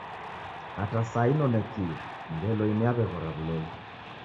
Hata saa inonekie ngelo imu yaweghora wuloli.